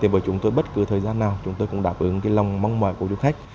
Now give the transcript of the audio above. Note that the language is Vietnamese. với chúng tôi bất cứ thời gian nào chúng tôi cũng đáp ứng lòng mong mỏi của du khách